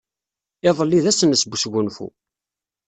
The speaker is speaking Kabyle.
Iḍelli d ass-nnes n wesgunfu.